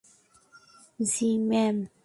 জি, ma'am.